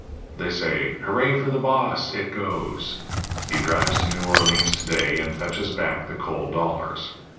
They say: 'Hooray for the boss! It goes.' He drives to Noo Orleans to day, and fetches back the cold dollars.